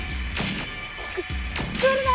く来るな！